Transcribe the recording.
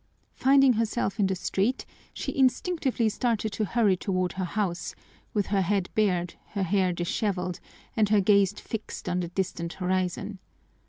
Finding herself in the street, she instinctively started to hurry toward her house, with her head bared, her hair disheveled, and her gaze fixed on the distant horizon.